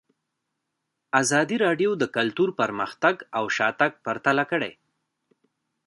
ازادي راډیو د کلتور پرمختګ او شاتګ پرتله کړی.